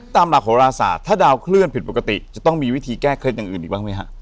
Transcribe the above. ตามหลักโหราศาสตร์ถ้าดาวเคลื่อนผิดปกติจะต้องมีวิธีแก้เคล็ดอย่างอื่นอีกบ้างไหมฮะ